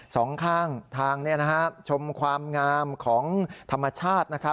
สองข้างทางชมความงามของธรรมชาตินะครับ